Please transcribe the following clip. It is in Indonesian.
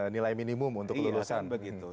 nilai minimum untuk lulusan